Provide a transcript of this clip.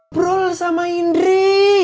bro sama indri